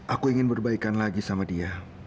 aku ingin berbaikan lagi sama dia